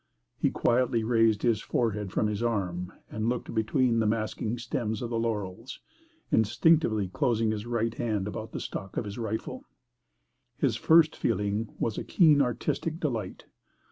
He quietly raised his forehead from his arm and looked between the masking stems of the laurels, instinctively closing his right hand about the stock of his rifle. His first feeling was a keen artistic delight.